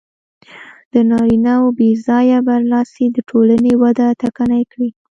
د نارینهوو بې ځایه برلاسي د ټولنې وده ټکنۍ کړې.